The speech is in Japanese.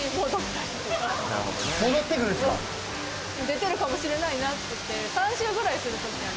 出てるかもしれないなっつって３周ぐらいする時あります